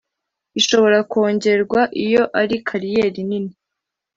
ishobora kongerwa iyo ari kariyeri nini